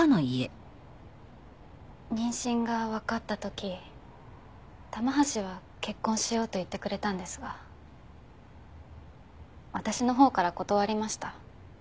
妊娠がわかった時玉橋は結婚しようと言ってくれたんですが私のほうから断りました。